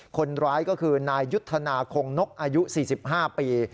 คนร้ายก็คือนายยุทธนาคงนกอายุ๔๕ปี